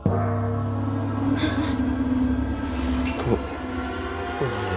makanya luar biasa riuch eh